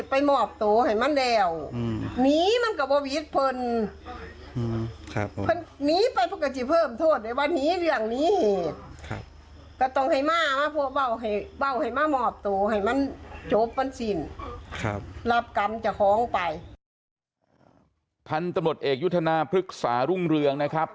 ตำรวจเอกยุทธนาพฤกษารุ่งเรืองนะครับ